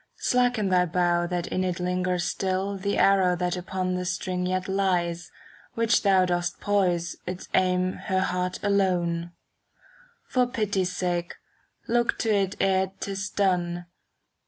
Slacken thy bow that in it linger still The arrow that upon the string yet lies. Which thou dost poise, its aim her heart alone; ^ For pity's sake, look to it ere 'tis done.